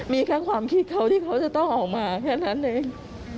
มีแค่ความคิดเขาที่เขาจะต้องออกมาแค่นั้นเอง